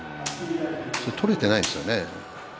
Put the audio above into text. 取れていないですよね。